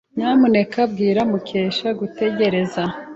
Nyamuneka bwira Mukesha gutegereza.